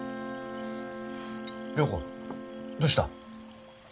良子どうした？